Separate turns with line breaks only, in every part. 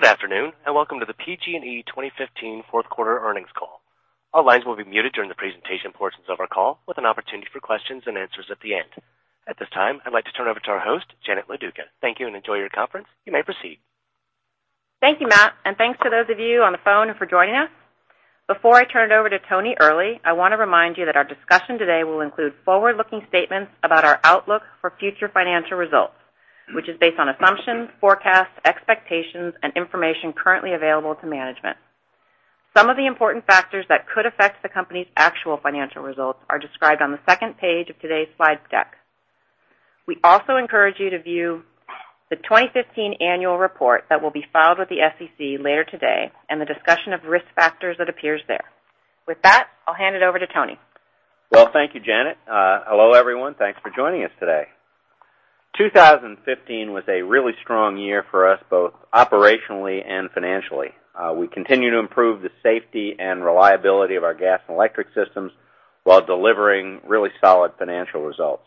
Good afternoon. Welcome to the PG&E 2015 fourth quarter earnings call. All lines will be muted during the presentation portions of our call, with an opportunity for questions and answers at the end. At this time, I'd like to turn it over to our host, Janet Loduca. Thank you. Enjoy your conference. You may proceed.
Thank you, Matt. Thanks to those of you on the phone for joining us. Before I turn it over to Tony Earley, I want to remind you that our discussion today will include forward-looking statements about our outlook for future financial results, which is based on assumptions, forecasts, expectations, and information currently available to management. Some of the important factors that could affect the company's actual financial results are described on the second page of today's slide deck. We also encourage you to view the 2015 annual report that will be filed with the SEC later today and the discussion of risk factors that appears there. With that, I'll hand it over to Tony.
Well, thank you, Janet. Hello, everyone. Thanks for joining us today. 2015 was a really strong year for us, both operationally and financially. We continue to improve the safety and reliability of our gas and electric systems while delivering really solid financial results.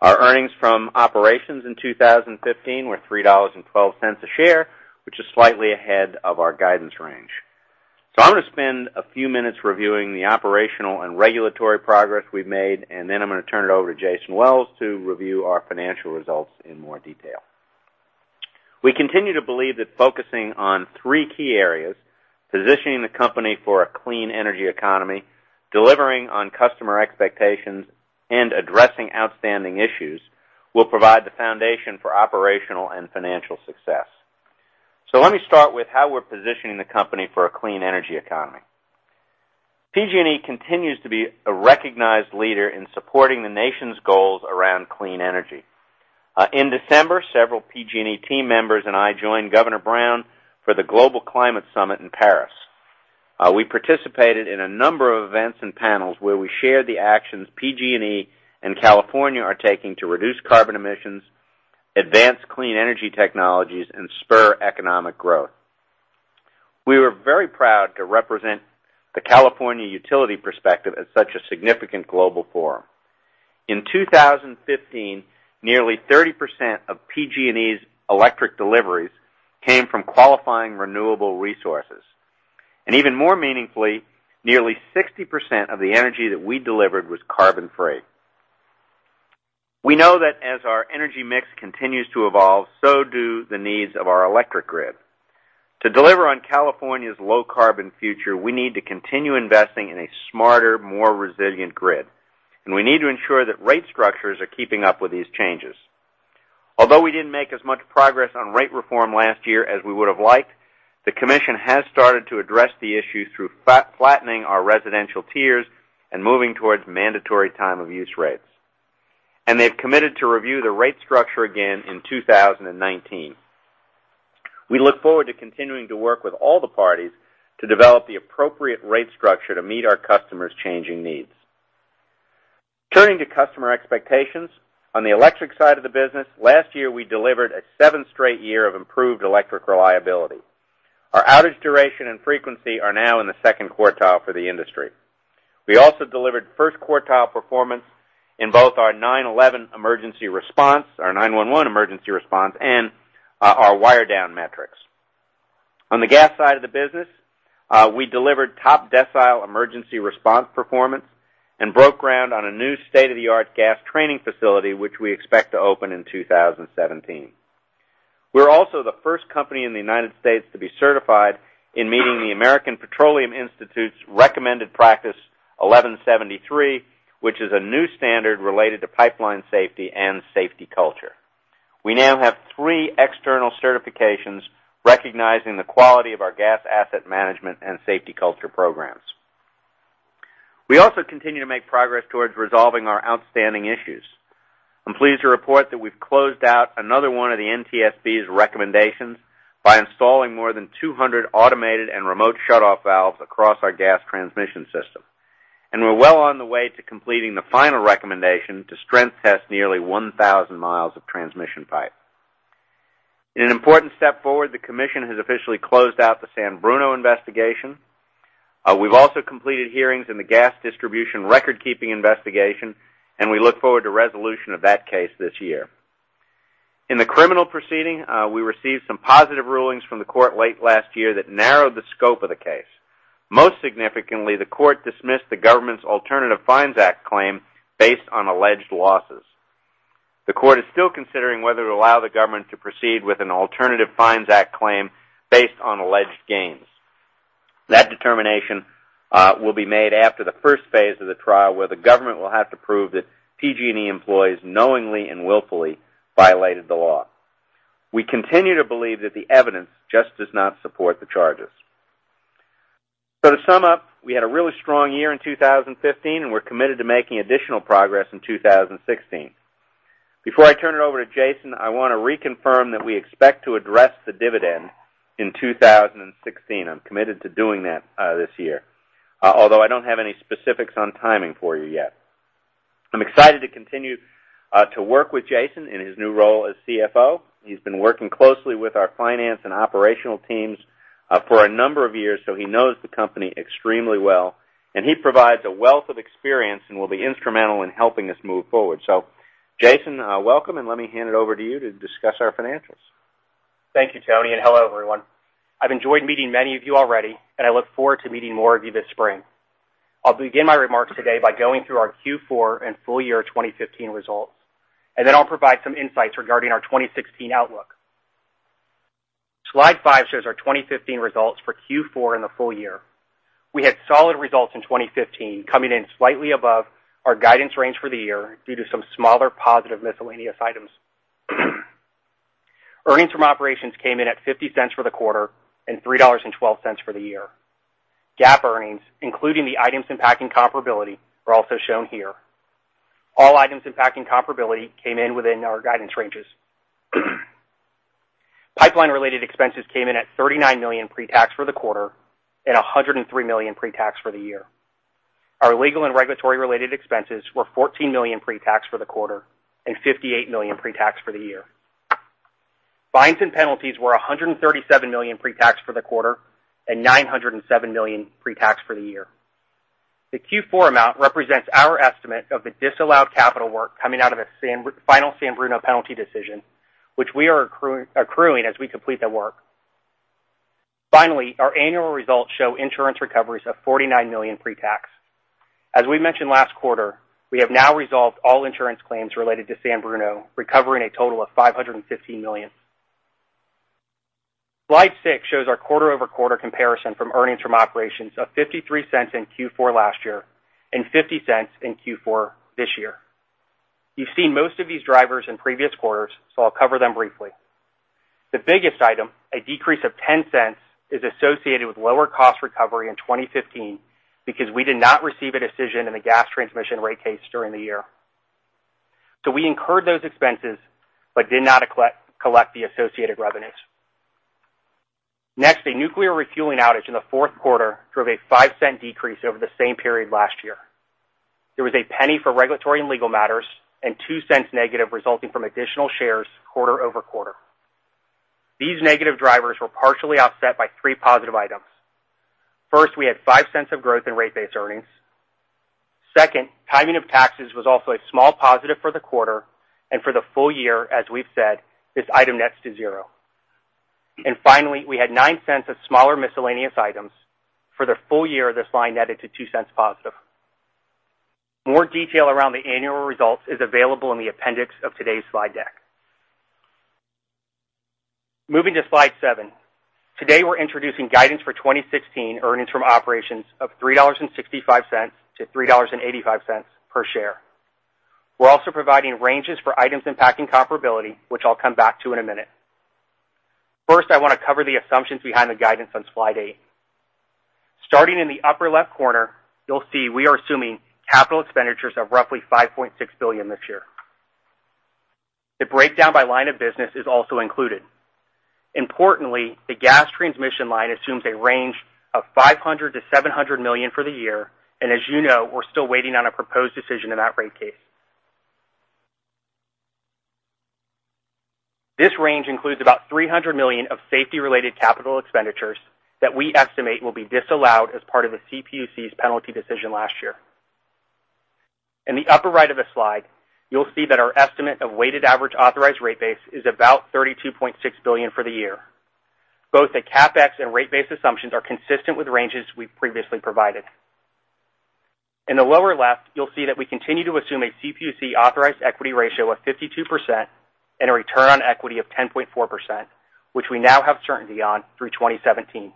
Our earnings from operations in 2015 were $3.12 a share, which is slightly ahead of our guidance range. I'm going to spend a few minutes reviewing the operational and regulatory progress we've made. Then I'm going to turn it over to Jason Wells to review our financial results in more detail. We continue to believe that focusing on three key areas, positioning the company for a clean energy economy, delivering on customer expectations, and addressing outstanding issues will provide the foundation for operational and financial success. Let me start with how we're positioning the company for a clean energy economy. PG&E continues to be a recognized leader in supporting the nation's goals around clean energy. In December, several PG&E team members and I joined Governor Brown for the Global Climate Summit in Paris. We participated in a number of events and panels where we shared the actions PG&E and California are taking to reduce carbon emissions, advance clean energy technologies, and spur economic growth. We were very proud to represent the California utility perspective at such a significant global forum. In 2015, nearly 30% of PG&E's electric deliveries came from qualifying renewable resources, and even more meaningfully, nearly 60% of the energy that we delivered was carbon-free. We know that as our energy mix continues to evolve, so do the needs of our electric grid. To deliver on California's low-carbon future, we need to continue investing in a smarter, more resilient grid, we need to ensure that rate structures are keeping up with these changes. Although we didn't make as much progress on rate reform last year as we would've liked, the commission has started to address the issue through flattening our residential tiers and moving towards mandatory Time of Use rates. They've committed to review the rate structure again in 2019. We look forward to continuing to work with all the parties to develop the appropriate rate structure to meet our customers' changing needs. Turning to customer expectations, on the electric side of the business, last year, we delivered a seventh straight year of improved electric reliability. Our outage duration and frequency are now in the second quartile for the industry. We also delivered first-quartile performance in both our 911 emergency response and our wire down metrics. On the gas side of the business, we delivered top decile emergency response performance and broke ground on a new state-of-the-art gas training facility, which we expect to open in 2017. We're also the first company in the United States to be certified in meeting the American Petroleum Institute's Recommended Practice 1173, which is a new standard related to pipeline safety and safety culture. We now have three external certifications recognizing the quality of our gas asset management and safety culture programs. We also continue to make progress towards resolving our outstanding issues. I'm pleased to report that we've closed out another one of the NTSB's recommendations by installing more than 200 automated and remote shut-off valves across our gas transmission system, we're well on the way to completing the final recommendation to strength test nearly 1,000 miles of transmission pipe. In an important step forward, the commission has officially closed out the San Bruno investigation. We've also completed hearings in the gas distribution record-keeping investigation, we look forward to resolution of that case this year. In the criminal proceeding, we received some positive rulings from the court late last year that narrowed the scope of the case. Most significantly, the court dismissed the government's Alternative Fines Act claim based on alleged losses. The court is still considering whether to allow the government to proceed with an Alternative Fines Act claim based on alleged gains. That determination will be made after the first phase of the trial, where the government will have to prove that PG&E employees knowingly and willfully violated the law. To sum up, we had a really strong year in 2015, we're committed to making additional progress in 2016. Before I turn it over to Jason, I want to reconfirm that we expect to address the dividend in 2016. I'm committed to doing that this year. Although I don't have any specifics on timing for you yet. I'm excited to continue to work with Jason in his new role as CFO. He's been working closely with our finance and operational teams for a number of years, so he knows the company extremely well, and he provides a wealth of experience and will be instrumental in helping us move forward. Jason, welcome, and let me hand it over to you to discuss our financials.
Thank you, Tony, and hello, everyone. I've enjoyed meeting many of you already, and I look forward to meeting more of you this spring. I'll begin my remarks today by going through our Q4 and full year 2015 results, and then I'll provide some insights regarding our 2016 outlook. Slide five shows our 2015 results for Q4 and the full year. We had solid results in 2015, coming in slightly above our guidance range for the year due to some smaller positive miscellaneous items. Earnings from operations came in at $0.50 for the quarter and $3.12 for the year. GAAP earnings, including the items impacting comparability, are also shown here. All items impacting comparability came in within our guidance ranges. Pipeline-related expenses came in at $39 million pre-tax for the quarter and $103 million pre-tax for the year. Our legal and regulatory-related expenses were $14 million pre-tax for the quarter and $58 million pre-tax for the year. Fines and penalties were $137 million pre-tax for the quarter and $907 million pre-tax for the year. The Q4 amount represents our estimate of the disallowed capital work coming out of the final San Bruno penalty decision, which we are accruing as we complete the work. Finally, our annual results show insurance recoveries of $49 million pre-tax. As we mentioned last quarter, we have now resolved all insurance claims related to San Bruno, recovering a total of $515 million. Slide six shows our quarter-over-quarter comparison from earnings from operations of $0.53 in Q4 last year and $0.50 in Q4 this year. You've seen most of these drivers in previous quarters, so I'll cover them briefly. The biggest item, a decrease of $0.10, is associated with lower cost recovery in 2015 because we did not receive a decision in the gas transmission rate case during the year. We incurred those expenses but did not collect the associated revenues. Next, a nuclear refueling outage in the fourth quarter drove a $0.05 decrease over the same period last year. There was a $0.01 for regulatory and legal matters and $0.02 negative resulting from additional shares quarter-over-quarter. These negative drivers were partially offset by three positive items. First, we had $0.05 of growth in rate base earnings. Second, timing of taxes was also a small positive for the quarter, and for the full year, as we've said, this item nets to zero. Finally, we had $0.09 of smaller miscellaneous items. For the full year, this line netted to $0.02 positive. More detail around the annual results is available in the appendix of today's slide deck. Moving to slide seven. Today, we're introducing guidance for 2016 earnings from operations of $3.65-$3.85 per share. We're also providing ranges for items impacting comparability, which I'll come back to in a minute. First, I want to cover the assumptions behind the guidance on slide eight. Starting in the upper left corner, you'll see we are assuming capital expenditures of roughly $5.6 billion this year. The breakdown by line of business is also included. Importantly, the gas transmission line assumes a range of $500 million-$700 million for the year, and as you know, we're still waiting on a proposed decision in that rate case. This range includes about $300 million of safety-related capital expenditures that we estimate will be disallowed as part of the CPUC's penalty decision last year. In the upper right of the slide, you'll see that our estimate of weighted average authorized rate base is about $32.6 billion for the year. Both the CapEx and rate base assumptions are consistent with ranges we previously provided. In the lower left, you'll see that we continue to assume a CPUC-authorized equity ratio of 52% and a return on equity of 10.4%, which we now have certainty on through 2017.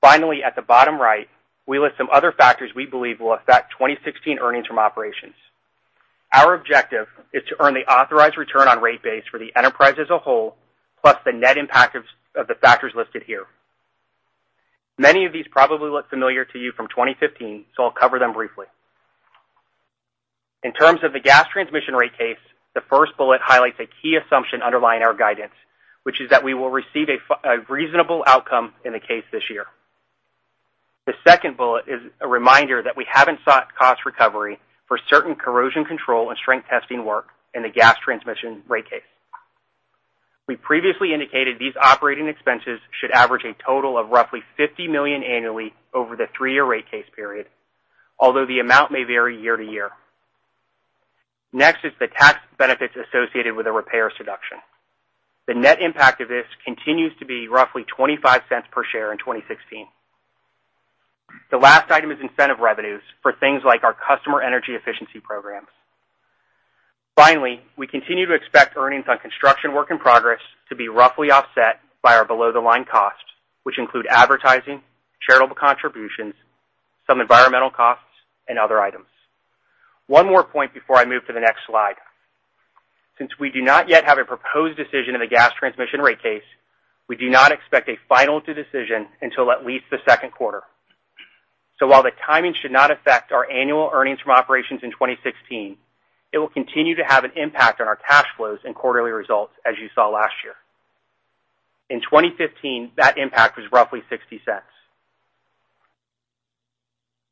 Finally, at the bottom right, we list some other factors we believe will affect 2016 earnings from operations. Our objective is to earn the authorized return on rate base for the enterprise as a whole, plus the net impact of the factors listed here. Many of these probably look familiar to you from 2015. I'll cover them briefly. In terms of the gas transmission rate case, the first bullet highlights a key assumption underlying our guidance, which is that we will receive a reasonable outcome in the case this year. The second bullet is a reminder that we haven't sought cost recovery for certain corrosion control and strength testing work in the gas transmission rate case. We previously indicated these operating expenses should average a total of roughly $50 million annually over the three-year rate case period, although the amount may vary year to year. Next is the tax benefits associated with the repair deduction. The net impact of this continues to be roughly $0.25 per share in 2016. The last item is incentive revenues for things like our customer energy efficiency programs. Finally, we continue to expect earnings on construction work in progress to be roughly offset by our below-the-line costs, which include advertising, charitable contributions, some environmental costs, and other items. One more point before I move to the next slide. Since we do not yet have a proposed decision in the gas transmission rate case, we do not expect a final decision until at least the second quarter. While the timing should not affect our annual earnings from operations in 2016, it will continue to have an impact on our cash flows and quarterly results, as you saw last year. In 2015, that impact was roughly $0.60.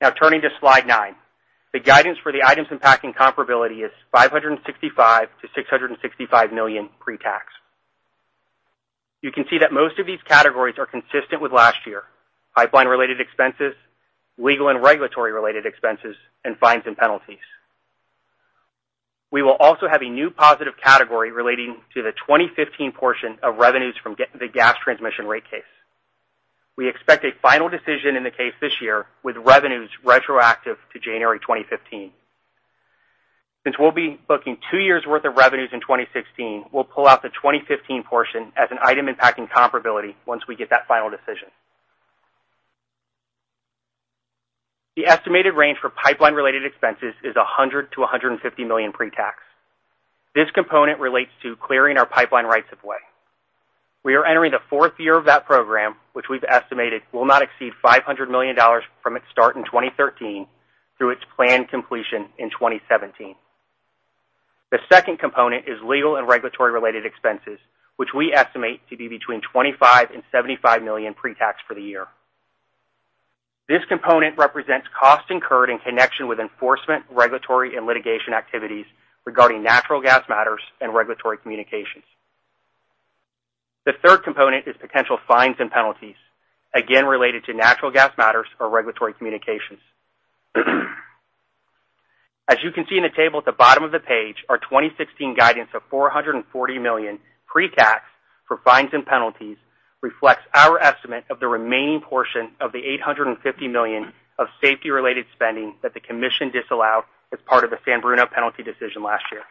Now turning to slide nine. The guidance for the items impacting comparability is $565 million-$665 million pre-tax. You can see that most of these categories are consistent with last year: pipeline-related expenses, legal and regulatory-related expenses, and fines and penalties. We will also have a new positive category relating to the 2015 portion of revenues from the Gas Transmission rate case. We expect a final decision in the case this year, with revenues retroactive to January 2015. Since we'll be booking two years' worth of revenues in 2016, we'll pull out the 2015 portion as an item impacting comparability once we get that final decision. The estimated range for pipeline-related expenses is $100 million-$150 million pre-tax. This component relates to clearing our pipeline rights of way. We are entering the fourth year of that program, which we've estimated will not exceed $500 million from its start in 2013 through its planned completion in 2017. The second component is legal and regulatory-related expenses, which we estimate to be between $25 million and $75 million pre-tax for the year. This component represents costs incurred in connection with enforcement, regulatory, and litigation activities regarding natural gas matters and regulatory communications. The third component is potential fines and penalties, again related to natural gas matters or regulatory communications. As you can see in the table at the bottom of the page, our 2016 guidance of $440 million pre-tax for fines and penalties reflects our estimate of the remaining portion of the $850 million of safety-related spending that the commission disallowed as part of the San Bruno penalty decision last year.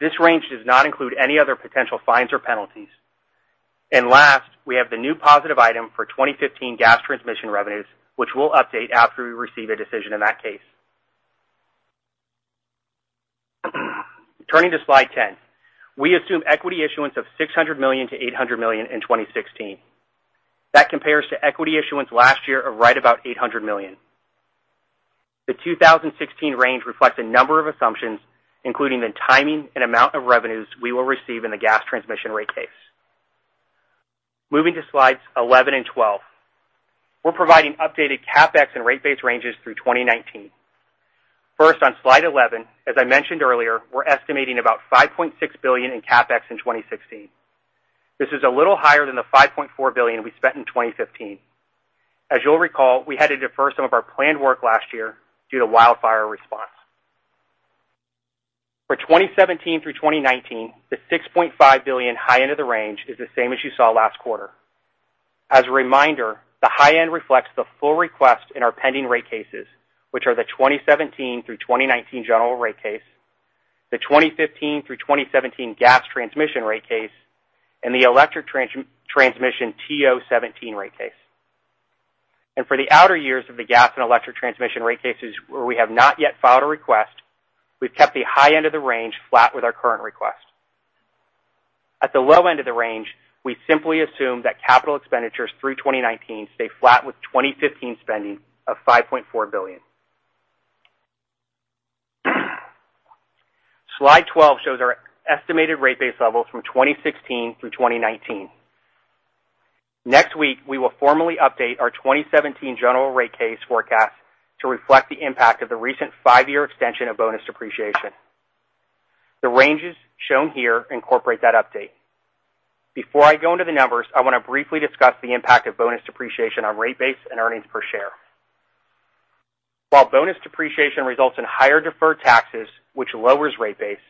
This range does not include any other potential fines or penalties. Last, we have the new positive item for 2015 Gas Transmission revenues, which we'll update after we receive a decision in that case. Turning to slide 10. We assume equity issuance of $600 million-$800 million in 2016. That compares to equity issuance last year of right about $800 million. The 2016 range reflects a number of assumptions, including the timing and amount of revenues we will receive in the Gas Transmission rate case. Moving to slides 11 and 12. We're providing updated CapEx and rate base ranges through 2019. First, on slide 11, as I mentioned earlier, we're estimating about $5.6 billion in CapEx in 2016. This is a little higher than the $5.4 billion we spent in 2015. As you'll recall, we had to defer some of our planned work last year due to wildfire response. For 2017 through 2019, the $6.5 billion high end of the range is the same as you saw last quarter. As a reminder, the high end reflects the full request in our pending rate cases, which are the 2017 through 2019 General Rate Case, the 2015 through 2017 Gas Transmission rate case, and the electric transmission TO17 rate case. For the outer years of the gas and electric transmission rate cases where we have not yet filed a request, we've kept the high end of the range flat with our current request. At the low end of the range, we simply assume that capital expenditures through 2019 stay flat with 2015 spending of $5.4 billion. Slide 12 shows our estimated rate base levels from 2016 through 2019. Next week, we will formally update our 2017 General Rate Case forecast to reflect the impact of the recent five-year extension of bonus depreciation. The ranges shown here incorporate that update. Before I go into the numbers, I want to briefly discuss the impact of bonus depreciation on rate base and earnings per share. While bonus depreciation results in higher deferred taxes, which lowers rate base,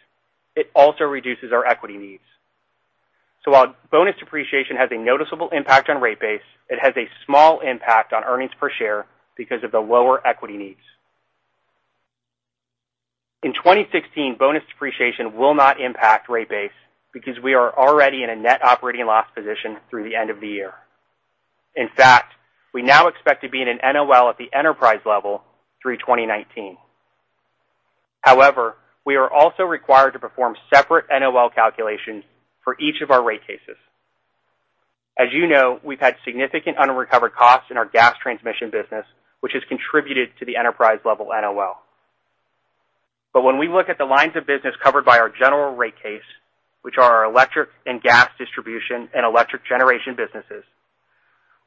it also reduces our equity needs. While bonus depreciation has a noticeable impact on rate base, it has a small impact on earnings per share because of the lower equity needs. In 2016, bonus depreciation will not impact rate base because we are already in a net operating loss position through the end of the year. In fact, we now expect to be in an NOL at the enterprise level through 2019. We are also required to perform separate NOL calculations for each of our rate cases. As you know, we've had significant unrecovered costs in our gas transmission business, which has contributed to the enterprise-level NOL. When we look at the lines of business covered by our general rate case, which are our electric and gas distribution and electric generation businesses,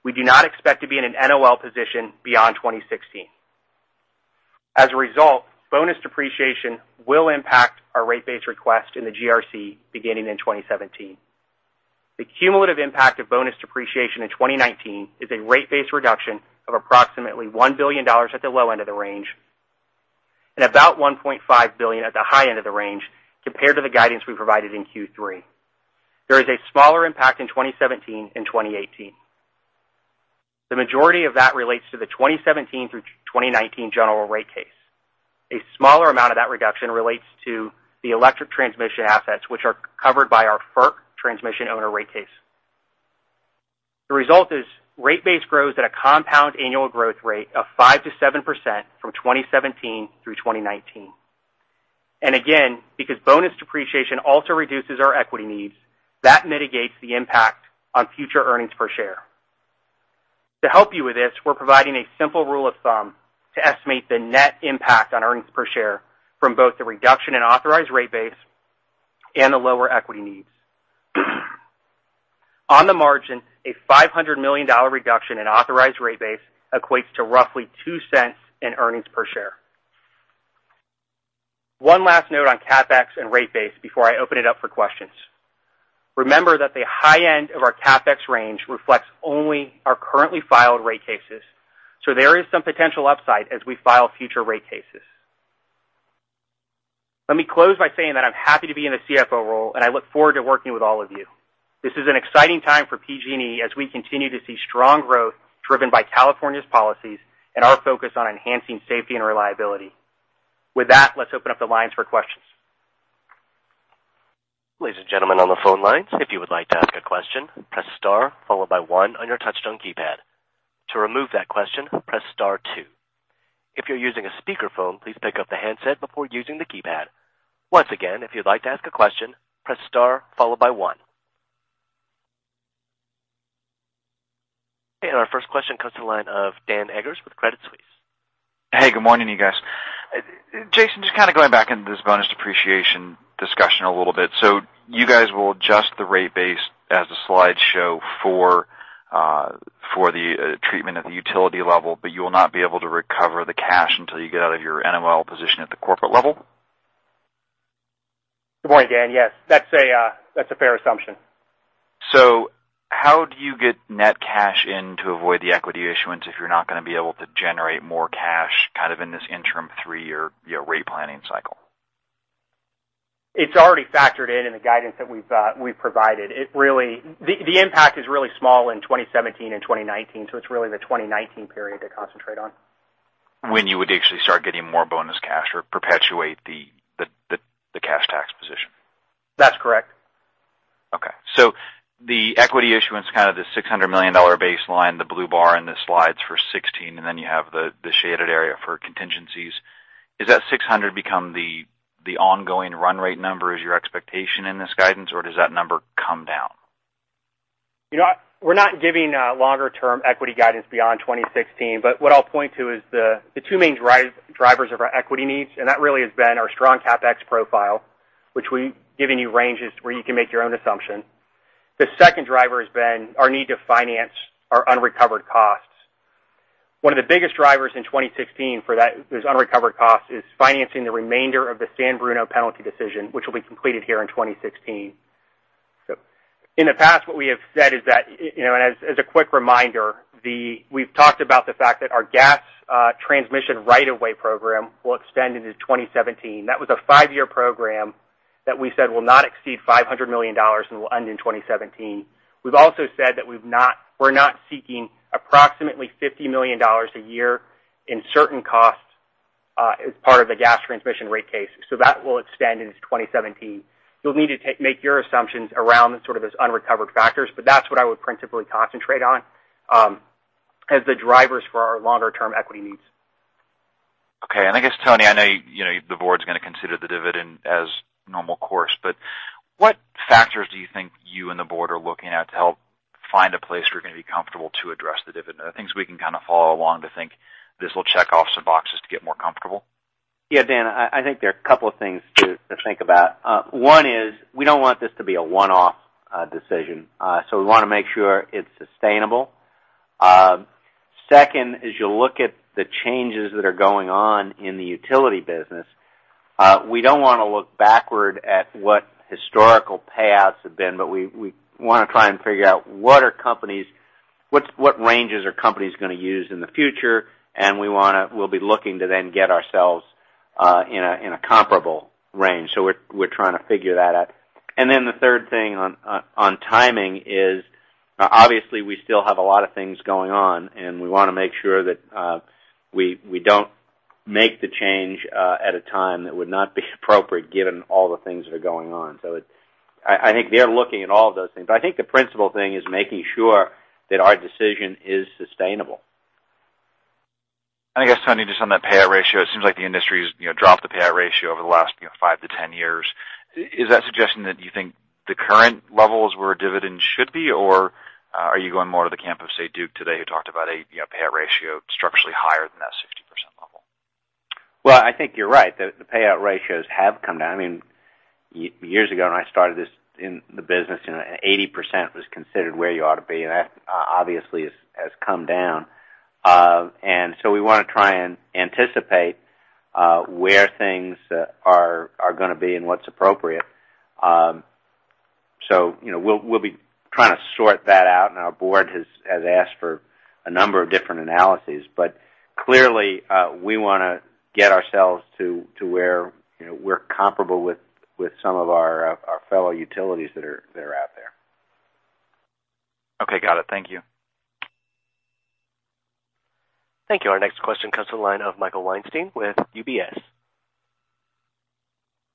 we do not expect to be in an NOL position beyond 2016. As a result, bonus depreciation will impact our rate base request in the GRC beginning in 2017. The cumulative impact of bonus depreciation in 2019 is a rate base reduction of approximately $1 billion at the low end of the range and about $1.5 billion at the high end of the range compared to the guidance we provided in Q3. There is a smaller impact in 2017 and 2018. The majority of that relates to the 2017 through 2019 general rate case. A smaller amount of that reduction relates to the electric transmission assets, which are covered by our FERC transmission owner rate case. The result is rate base grows at a compound annual growth rate of 5%-7% from 2017 through 2019. Again, because bonus depreciation also reduces our equity needs, that mitigates the impact on future earnings per share. To help you with this, we're providing a simple rule of thumb to estimate the net impact on earnings per share from both the reduction in authorized rate base and the lower equity needs. On the margin, a $500 million reduction in authorized rate base equates to roughly $0.02 in earnings per share. One last note on CapEx and rate base before I open it up for questions. Let me close by saying that I'm happy to be in the CFO role, and I look forward to working with all of you. This is an exciting time for PG&E as we continue to see strong growth driven by California's policies and our focus on enhancing safety and reliability. With that, let's open up the lines for questions.
Ladies and gentlemen on the phone lines, if you would like to ask a question, press star followed by one on your touch-tone keypad. To remove that question, press star two. If you're using a speakerphone, please pick up the handset before using the keypad. Once again, if you'd like to ask a question, press star followed by one. Our first question comes to the line of Dan Eggers with Credit Suisse.
Hey, good morning, you guys. Jason, just kind of going back into this bonus depreciation discussion a little bit. You guys will adjust the rate base as the slides show for the treatment at the utility level, but you will not be able to recover the cash until you get out of your NOL position at the corporate level?
Good morning, Dan. Yes, that's a fair assumption.
How do you get net cash in to avoid the equity issuance if you're not going to be able to generate more cash kind of in this interim three-year rate planning cycle?
It's already factored in in the guidance that we've provided. The impact is really small in 2017 and 2019. It's really the 2019 period to concentrate on.
When you would actually start getting more bonus cash or perpetuate the cash tax position?
That's correct.
Okay. The equity issuance, kind of the $600 million baseline, the blue bar in the slides for 2016, and then you have the shaded area for contingencies. Is that 600 become the ongoing run rate number as your expectation in this guidance, or does that number come down?
We're not giving longer-term equity guidance beyond 2016. What I'll point to is the two main drivers of our equity needs. That really has been our strong CapEx profile, which we've given you ranges where you can make your own assumption. The second driver has been our need to finance our unrecovered costs. One of the biggest drivers in 2016 for those unrecovered costs is financing the remainder of the San Bruno penalty decision, which will be completed here in 2016. In the past, what we have said is that, as a quick reminder, we've talked about the fact that our gas transmission right-of-way program will extend into 2017. That was a 5-year program that we said will not exceed $500 million and will end in 2017. We've also said that we're not seeking approximately $50 million a year in certain costs as part of the gas transmission rate case. That will extend into 2017. You'll need to make your assumptions around sort of those unrecovered factors. That's what I would principally concentrate on as the drivers for our longer-term equity needs.
Okay. I guess, Tony, I know the board's going to consider the dividend as normal course. What factors do you think you and the board are looking at to help find a place you're going to be comfortable to address the dividend? Are things we can kind of follow along to think this will check off some boxes to get more comfortable?
Yeah, Dan, I think there are a couple of things to think about. One is we don't want this to be a one-off decision. We want to make sure it's sustainable. Second is you look at the changes that are going on in the utility business. We don't want to look backward at what historical payouts have been. We want to try and figure out what ranges are companies going to use in the future? We'll be looking to then get ourselves in a comparable range. We're trying to figure that out. Then the third thing on timing is, obviously, we still have a lot of things going on, and we want to make sure that we don't make the change at a time that would not be appropriate given all the things that are going on. I think they're looking at all of those things. I think the principal thing is making sure that our decision is sustainable.
I guess, Tony, just on that payout ratio, it seems like the industry's dropped the payout ratio over the last five to 10 years. Is that suggesting that you think the current level is where dividends should be, or are you going more to the camp of, say, Duke today, who talked about a payout ratio structurally higher than that 60% level?
Well, I think you're right. The payout ratios have come down. Years ago, when I started this in the business, 80% was considered where you ought to be, and that obviously has come down. We want to try and anticipate where things are going to be and what's appropriate. We'll be trying to sort that out, and our board has asked for a number of different analyses. Clearly, we want to get ourselves to where we're comparable with some of our fellow utilities that are out there.
Okay. Got it. Thank you.
Thank you. Our next question comes to the line of Michael Weinstein with UBS.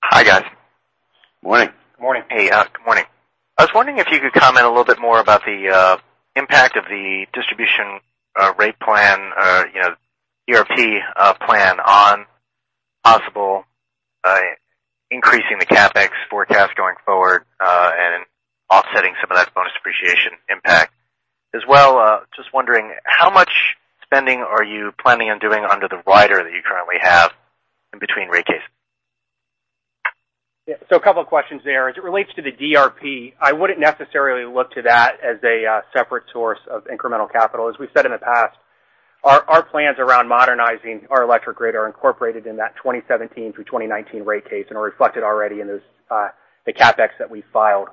Hi, guys.
Morning.
Morning.
Hey. Good morning. I was wondering if you could comment a little bit more about the impact of the distribution rate plan, DRP plan on possible increasing the CapEx forecast going forward and offsetting some of that bonus depreciation impact. As well, just wondering how much spending are you planning on doing under the rider that you currently have in between rate cases?
Yeah. A couple of questions there. As it relates to the DRP, I wouldn't necessarily look to that as a separate source of incremental capital. As we've said in the past, our plans around modernizing our electric grid are incorporated in that 2017 through 2019 rate case and are reflected already in the CapEx that we filed.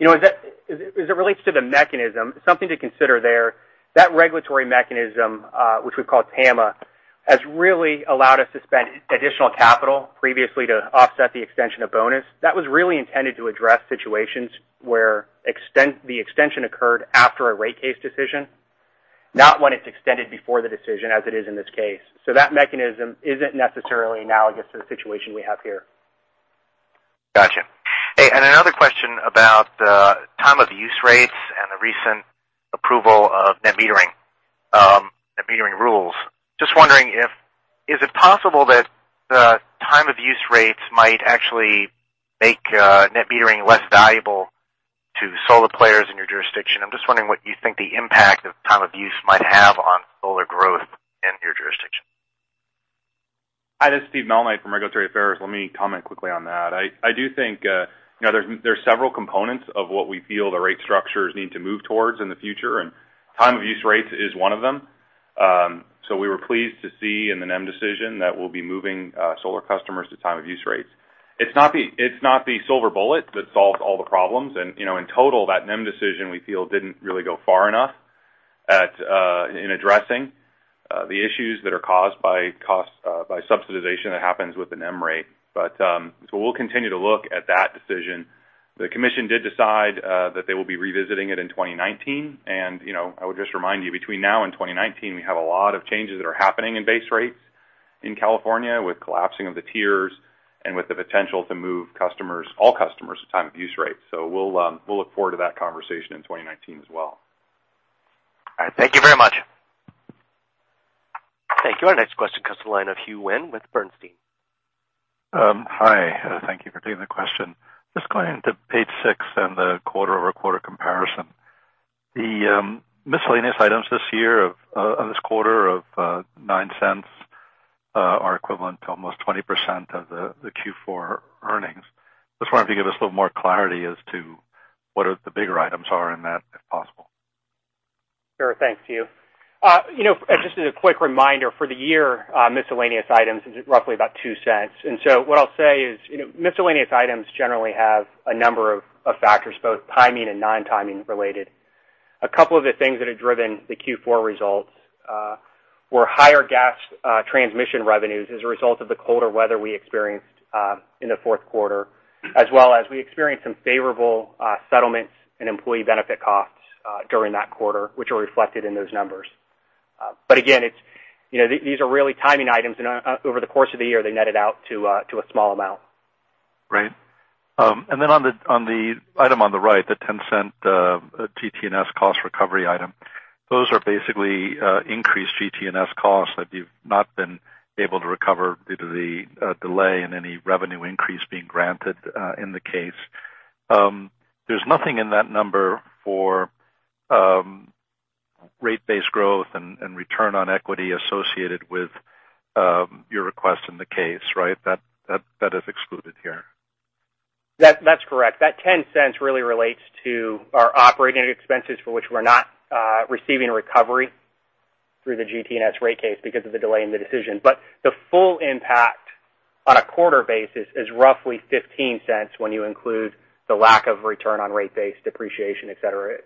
As it relates to the mechanism, something to consider there, that regulatory mechanism, which we call PAMA, has really allowed us to spend additional capital previously to offset the extension of bonus. That was really intended to address situations where the extension occurred after a rate case decision, not when it's extended before the decision, as it is in this case. That mechanism isn't necessarily analogous to the situation we have here.
Got you. Hey, another question about the Time of Use rates and the recent approval of net metering rules. Just wondering, is it possible that the Time of Use rates might actually make net metering less valuable to solar players in your jurisdiction? I'm just wondering what you think the impact of Time of Use might have on solar growth in your jurisdiction.
Hi, this is Steve Malnight from Regulatory Affairs. Let me comment quickly on that. I do think there's several components of what we feel the rate structures need to move towards in the future, and Time of Use rates is one of them. We were pleased to see in the NEM decision that we'll be moving solar customers to Time of Use rates. It's not the silver bullet that solves all the problems. In total, that NEM decision, we feel, didn't really go far enough in addressing the issues that are caused by subsidization that happens with the NEM rate. We'll continue to look at that decision. The commission did decide that they will be revisiting it in 2019. I would just remind you, between now and 2019, we have a lot of changes that are happening in base rates in California with collapsing of the tiers and with the potential to move all customers to Time of Use rates. We'll look forward to that conversation in 2019 as well.
All right. Thank you very much.
Thank you. Our next question comes from the line of Hugh Wynne with Bernstein.
Hi. Thank you for taking the question. Just going into page six and the quarter-over-quarter comparison. The miscellaneous items this quarter of $0.09 are equivalent to almost 20% of the Q4 earnings. Just wondering if you could give us a little more clarity as to what the bigger items are in that, if possible.
Sure. Thanks, Hugh. Just as a quick reminder, for the year, miscellaneous items is roughly about $0.02. What I'll say is, miscellaneous items generally have a number of factors, both timing and non-timing related. A couple of the things that have driven the Q4 results were higher gas transmission revenues as a result of the colder weather we experienced in the fourth quarter, as well as we experienced some favorable settlements and employee benefit costs during that quarter, which are reflected in those numbers. Again, these are really timing items, and over the course of the year, they netted out to a small amount.
Right. On the item on the right, the $0.10 GT&S cost recovery item, those are basically increased GT&S costs that you've not been able to recover due to the delay in any revenue increase being granted in the case. There's nothing in that number for rate-based growth and return on equity associated with your request in the case, right? That is excluded here.
That's correct. That $0.10 really relates to our operating expenses for which we're not receiving recovery through the GT&S rate case because of the delay in the decision. The full impact on a quarter basis is roughly $0.15 when you include the lack of return on rate base depreciation, et cetera.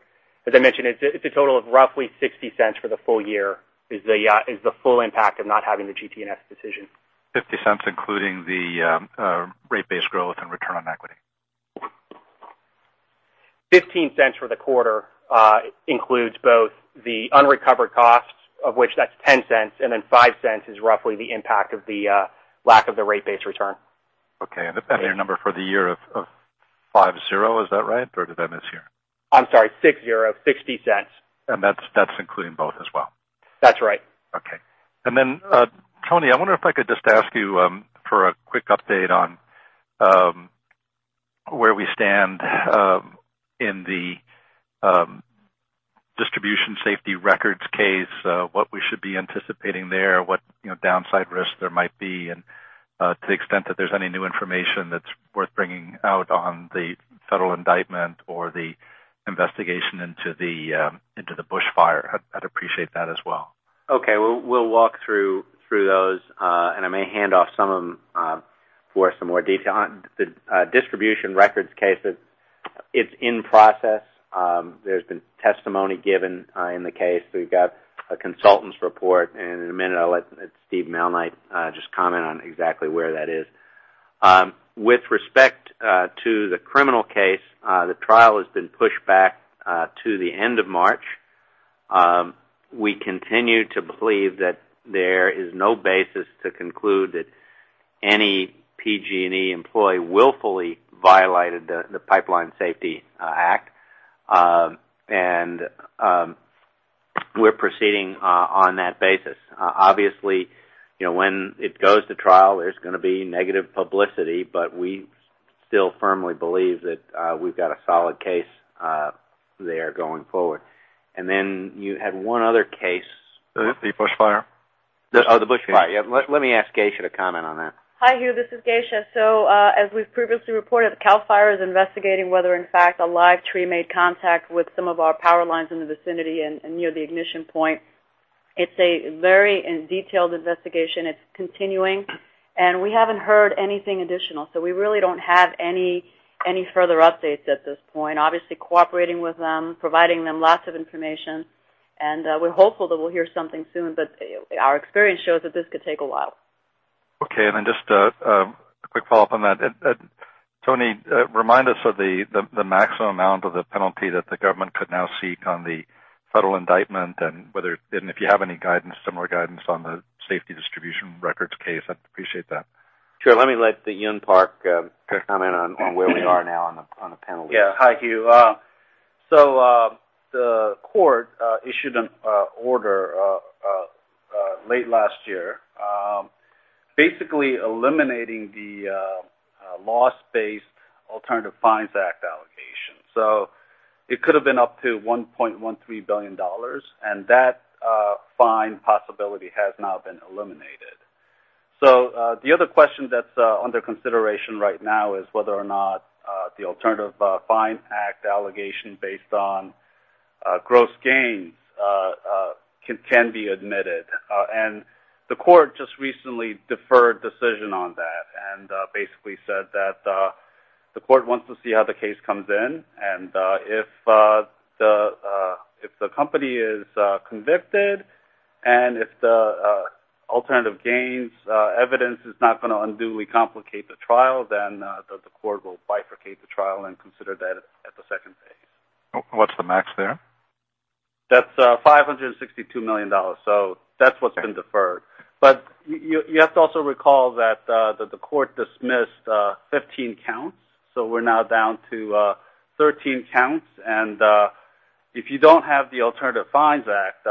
As I mentioned, it's a total of roughly $0.60 for the full year, is the full impact of not having the GT&S decision.
$0.50, including the rate-based growth and return on equity.
$0.15 for the quarter includes both the unrecovered costs, of which that's $0.10, and then $0.05 is roughly the impact of the lack of the rate base return.
Okay. Your number for the year of $0.50, is that right, or did I mishear?
I'm sorry, $0.60.
That's including both as well.
That's right.
Okay. Tony, I wonder if I could just ask you for a quick update on where we stand in the distribution safety records case, what we should be anticipating there, what downside risks there might be, and to the extent that there's any new information that's worth bringing out on the federal indictment or the investigation into the Butte Fire. I'd appreciate that as well.
Okay. We'll walk through those, I may hand off some of them for some more detail. On the distribution records case, it's in process. There's been testimony given in the case. We've got a consultant's report. In a minute, I'll let Steve Malnight just comment on exactly where that is. With respect to the criminal case, the trial has been pushed back to the end of March. We continue to believe that there is no basis to conclude that any PG&E employee willfully violated the Pipeline Safety Act. We're proceeding on that basis. Obviously, when it goes to trial, there's going to be negative publicity. Still firmly believe that we've got a solid case there going forward. You had one other case.
That would be Butte Fire.
The Butte Fire. Yeah. Let me ask Geisha to comment on that.
Hi, Hugh. This is Geisha. As we've previously reported, CAL FIRE is investigating whether in fact a live tree made contact with some of our power lines in the vicinity and near the ignition point. It's a very detailed investigation. It's continuing, and we haven't heard anything additional. We really don't have any further updates at this point. Obviously cooperating with them, providing them lots of information, and we're hopeful that we'll hear something soon. Our experience shows that this could take a while.
Then just a quick follow-up on that. Tony, remind us of the maximum amount of the penalty that the government could now seek on the federal indictment and if you have any similar guidance on the safety distribution records case, I'd appreciate that.
Sure. Let me let Hyun Park comment on where we are now on the penalty.
Yeah. Hi, Hugh. The court issued an order late last year, basically eliminating the loss-based Alternative Fines Act allegation. It could have been up to $1.13 billion, and that fine possibility has now been eliminated. The other question that's under consideration right now is whether or not the Alternative Fines Act allegation based on gross gains can be admitted. The court just recently deferred decision on that and basically said that the court wants to see how the case comes in and if the company is convicted and if the alternative gains evidence is not going to unduly complicate the trial, then the court will bifurcate the trial and consider that at the second phase.
What's the max there?
That's $562 million. That's what's been deferred. You have to also recall that the court dismissed 15 counts. We're now down to 13 counts. If you don't have the Alternative Fines Act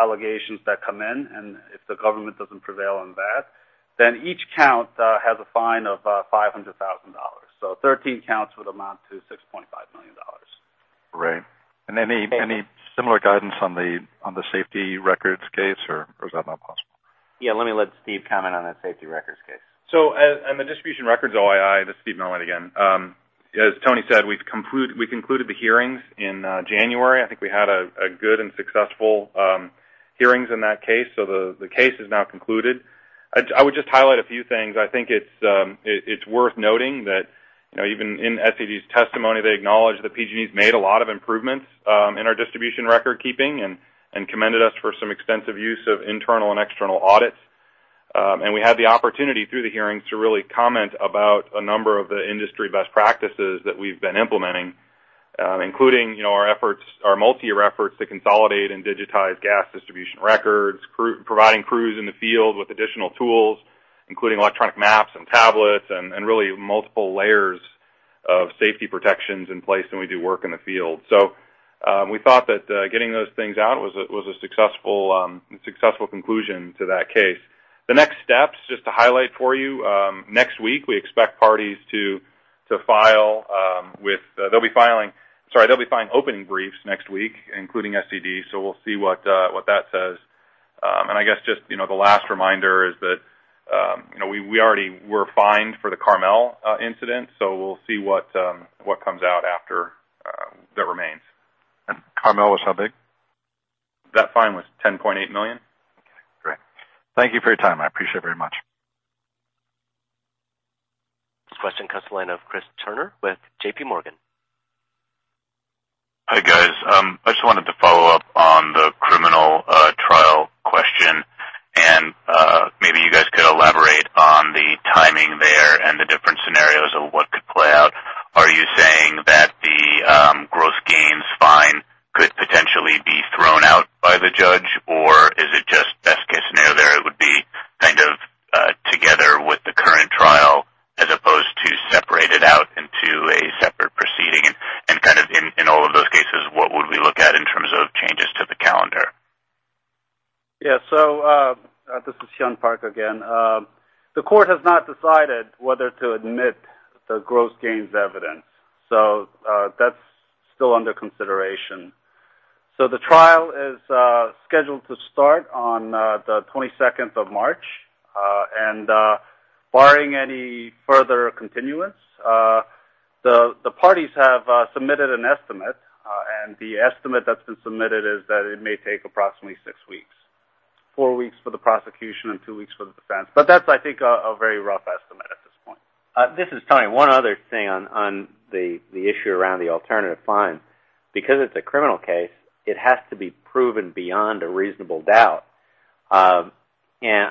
allegations that come in, and if the government doesn't prevail on that, then each count has a fine of $500,000. 13 counts would amount to $6.5 million.
Right. Any similar guidance on the safety records case, or is that not possible?
Yeah, let me let Steve comment on that safety records case.
On the distribution records OII, this is Steve Malnight again. As Tony said, we concluded the hearings in January. I think we had a good and successful hearings in that case. The case is now concluded. I would just highlight a few things. I think it's worth noting that even in SED's testimony, they acknowledged that PG&E's made a lot of improvements in our distribution record keeping and commended us for some extensive use of internal and external audits. We had the opportunity through the hearings to really comment about a number of the industry best practices that we've been implementing, including our multi-year efforts to consolidate and digitize gas distribution records, providing crews in the field with additional tools, including electronic maps and tablets and really multiple layers of safety protections in place when we do work in the field. We thought that getting those things out was a successful conclusion to that case. The next steps, just to highlight for you, next week, we expect parties to file opening briefs next week, including SED. We'll see what that says. I guess just the last reminder is that we already were fined for the Carmel incident, we'll see what comes out after that remains.
Carmel was how big?
That fine was $10.8 million.
Okay, great. Thank you for your time. I appreciate it very much.
Question comes to line of Chris Turner with JPMorgan.
Hi, guys. I just wanted to follow up on the criminal trial question. Maybe you guys could elaborate on the timing there and the different scenarios of what could play out. Are you saying that the gross gains fine could potentially be thrown out by the judge, or is it just best case scenario there it would be kind of together with the current trial as opposed to separated out into a separate proceeding and kind of in all of those cases, what would we look at in terms of changes to the calendar?
Yeah. This is Hyun Park again. The court has not decided whether to admit the gross gains evidence. That's still under consideration. The trial is scheduled to start on the 22nd of March. Barring any further continuance, the parties have submitted an estimate, and the estimate that's been submitted is that it may take approximately 6 weeks, 4 weeks for the prosecution and 2 weeks for the defense. That's I think a very rough estimate at this point.
This is Tony. One other thing on the issue around the alternative fine. Because it's a criminal case, it has to be proven beyond a reasonable doubt. I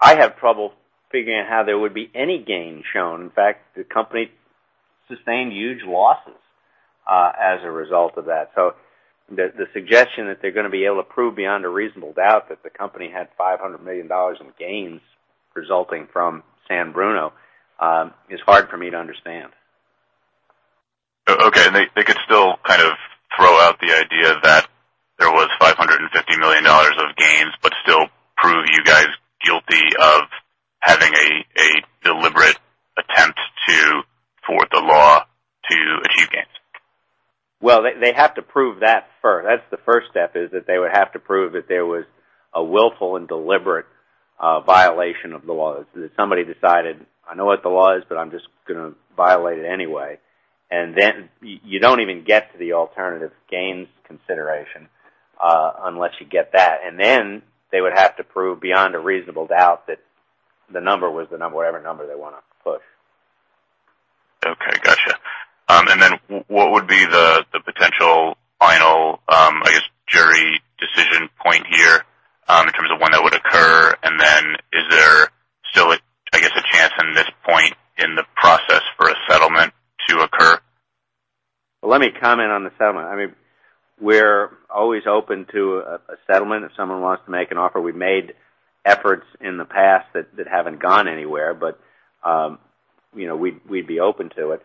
have trouble figuring out how there would be any gain shown. In fact, the company sustained huge losses as a result of that. The suggestion that they're going to be able to prove beyond a reasonable doubt that the company had $500 million in gains resulting from San Bruno is hard for me to understand.
You guys guilty of having a deliberate attempt to thwart the law to achieve gains?
Well, they have to prove that first. That's the first step, is that they would have to prove that there was a willful and deliberate violation of the law. That somebody decided, "I know what the law is, but I'm just going to violate it anyway." Then you don't even get to the alternative gains consideration, unless you get that. Then they would have to prove beyond a reasonable doubt that the number was the number, whatever number they want to push.
Okay. Got you. Then what would be the potential final, I guess, jury decision point here, in terms of when that would occur? Then is there still, I guess, a chance in this point in the process for a settlement to occur?
Let me comment on the settlement. We're always open to a settlement if someone wants to make an offer. We've made efforts in the past that haven't gone anywhere. We'd be open to it.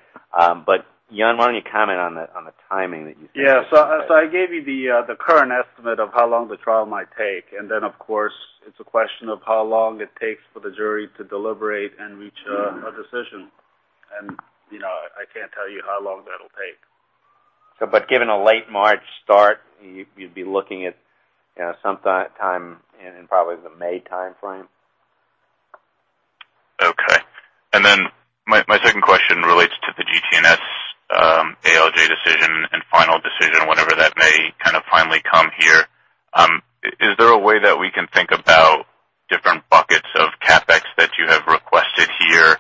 Hyun, why don't you comment on the timing.
I gave you the current estimate of how long the trial might take, of course, it's a question of how long it takes for the jury to deliberate and reach a decision. I can't tell you how long that'll take.
Given a late March start, you'd be looking at sometime in probably the May timeframe.
Okay. My second question relates to the GT&S ALJ decision and final decision, whenever that may finally come here. Is there a way that we can think about different buckets of CapEx that you have requested here,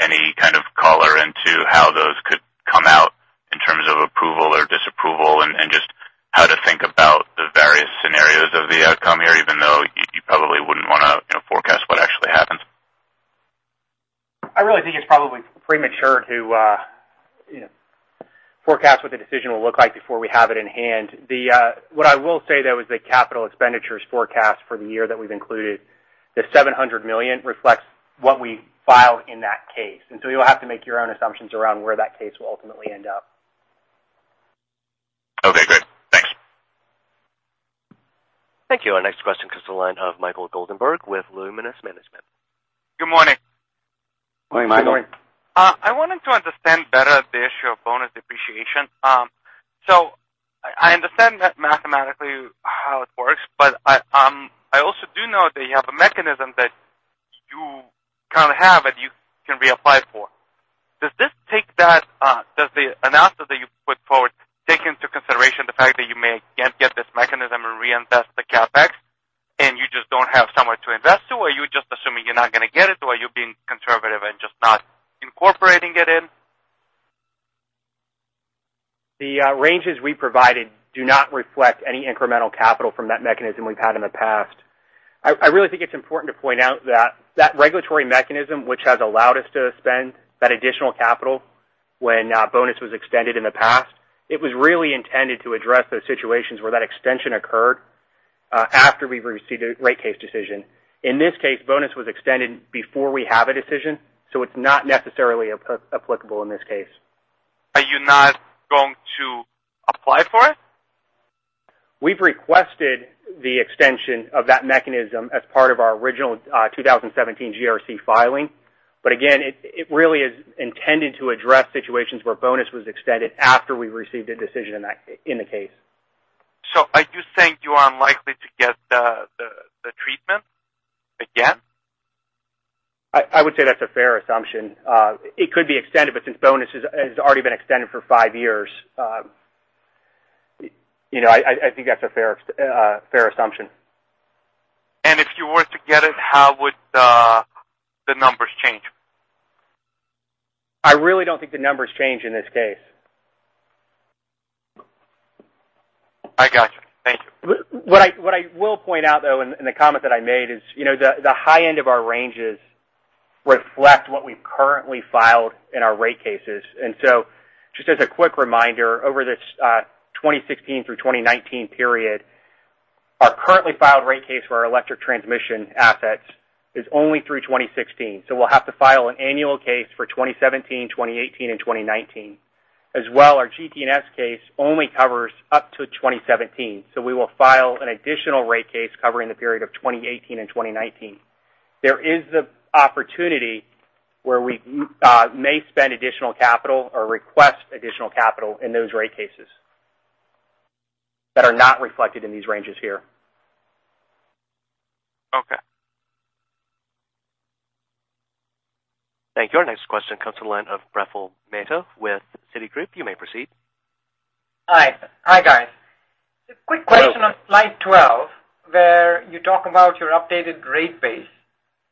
any kind of color into how those could come out in terms of approval or disapproval and just how to think about the various scenarios of the outcome here, even though you probably wouldn't want to forecast what actually happens?
I really think it's probably premature to forecast what the decision will look like before we have it in hand. What I will say, though, is the capital expenditures forecast for the year that we've included, the $700 million reflects what we filed in that case. You'll have to make your own assumptions around where that case will ultimately end up.
Okay, great. Thanks.
Thank you. Our next question comes to the line of Michael Goldenberg with Luminus Management.
Good morning.
Morning, Michael.
Good morning. I wanted to understand better the issue of bonus depreciation. I understand that mathematically how it works, but I also do know that you have a mechanism that you currently have that you can reapply for. Does the analysis that you put forward take into consideration the fact that you may again get this mechanism and reinvest the CapEx, and you just don't have somewhere to invest to? Are you just assuming you're not going to get it, or are you being conservative and just not incorporating it in?
The ranges we provided do not reflect any incremental capital from that mechanism we've had in the past. I really think it's important to point out that that regulatory mechanism, which has allowed us to spend that additional capital when bonus was extended in the past, it was really intended to address those situations where that extension occurred, after we've received a rate case decision. In this case, bonus was extended before we have a decision, it's not necessarily applicable in this case.
Are you not going to apply for it?
We've requested the extension of that mechanism as part of our original 2017 GRC filing. Again, it really is intended to address situations where bonus was extended after we received a decision in the case.
Are you saying you are unlikely to get the treatment again?
I would say that's a fair assumption. It could be extended, since bonus has already been extended for 5 years, I think that's a fair assumption.
If you were to get it, how would the numbers change?
I really don't think the numbers change in this case.
I got you. Thank you.
What I will point out, though, in the comment that I made is, the high end of our ranges reflect what we've currently filed in our rate cases. Just as a quick reminder, over this 2016 through 2019 period, our currently filed rate case for our electric transmission assets is only through 2016. We'll have to file an annual case for 2017, 2018, and 2019. As well, our GT&S case only covers up to 2017, we will file an additional rate case covering the period of 2018 and 2019. There is the opportunity where we may spend additional capital or request additional capital in those rate cases that are not reflected in these ranges here.
Okay.
Thank you. Our next question comes to the line of Praful Mehta with Citigroup. You may proceed.
Hi. Hi, guys. A quick question.
Hello
on slide 12, where you talk about your updated rate base.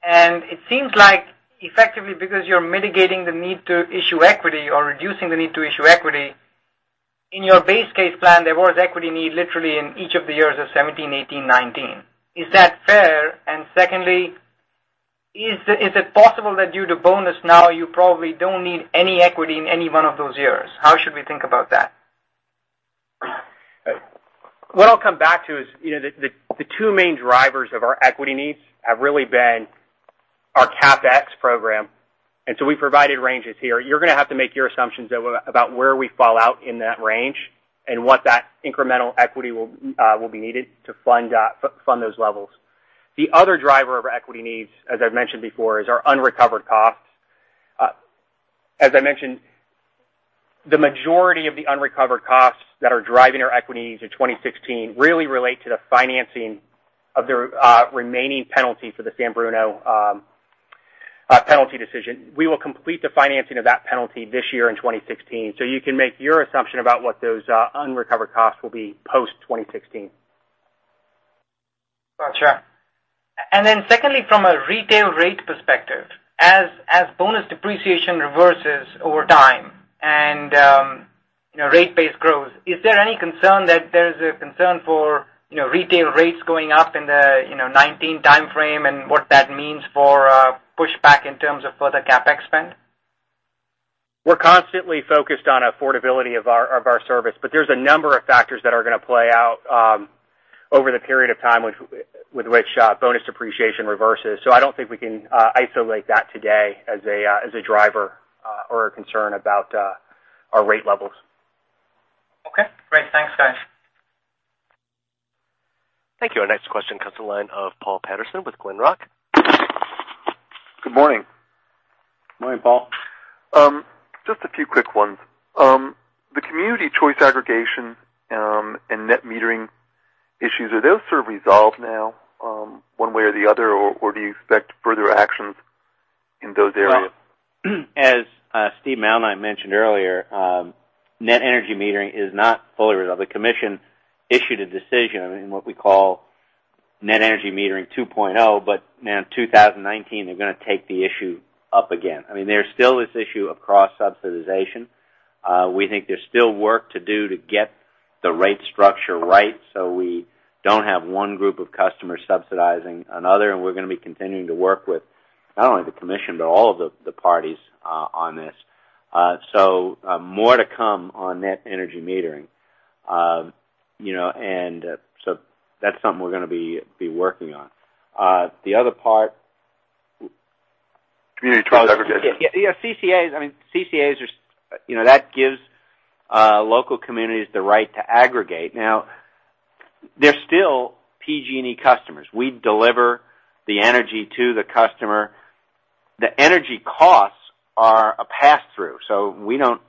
It seems like effectively because you're mitigating the need to issue equity or reducing the need to issue equity, in your base case plan, there was equity need literally in each of the years of 2017, 2018, 2019. Is that fair? Secondly, is it possible that due to bonus now you probably don't need any equity in any one of those years? How should we think about that?
What I'll come back to is, the two main drivers of our equity needs have really been our CapEx program. We provided ranges here. You're going to have to make your assumptions about where we fall out in that range and what that incremental equity will be needed to fund those levels. The other driver of our equity needs, as I've mentioned before, is our unrecovered costs. As I mentioned, the majority of the unrecovered costs that are driving our equity needs in 2016 really relate to the financing of the remaining penalty for the San Bruno penalty decision. We will complete the financing of that penalty this year in 2016. You can make your assumption about what those unrecovered costs will be post-2016.
Got you. Secondly, from a retail rate perspective, as bonus depreciation reverses over time and rate base grows, is there any concern that there's a concern for retail rates going up in the 2019 timeframe and what that means for pushback in terms of further CapEx spend?
We're constantly focused on affordability of our service. There's a number of factors that are going to play out over the period of time with which bonus depreciation reverses. I don't think we can isolate that today as a driver or a concern about our rate levels.
Okay, great. Thanks, guys.
Thank you. Our next question comes to the line of Paul Patterson with Glenrock.
Good morning.
Morning, Paul.
Just a few quick ones. The Community Choice Aggregation and net metering issues, are those sort of resolved now one way or the other, or do you expect further actions in those areas?
As Steve Malnight mentioned earlier, net energy metering is not fully resolved. The commission issued a decision in what we call Net Energy Metering 2.0, now in 2019, they're going to take the issue up again. There's still this issue of cross-subsidization. We think there's still work to do to get the rate structure right so we don't have one group of customers subsidizing another. We're going to be continuing to work with not only the commission, but all of the parties on this. More to come on net energy metering. That's something we're going to be working on. The other part-
Community Choice Aggregation.
Yeah, CCAs. That gives local communities the right to aggregate. They're still PG&E customers. We deliver the energy to the customer. The energy costs are a passthrough, so we don't